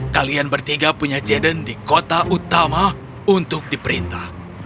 kalian bertiga punya jaden di kota utama untuk diperintah